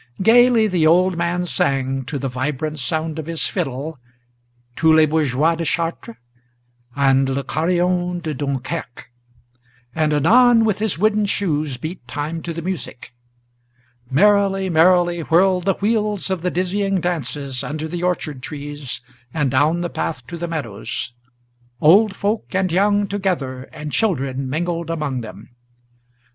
Gayly the old man sang to the vibrant sound of his fiddle, Tous les Bourgeois de Chartres, and Le Carillon de Dunkerque, And anon with his wooden shoes beat time to the music. Merrily, merrily whirled the wheels of the dizzying dances Under the orchard trees and down the path to the meadows; Old folk and young together, and children mingled among them.